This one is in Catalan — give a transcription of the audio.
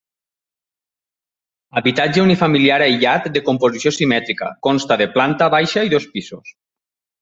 Habitatge unifamiliar aïllat de composició simètrica, consta de planta baixa i dos pisos.